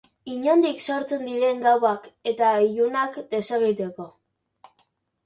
Inondik sortzen diren gauak eta ilunak desegiteko.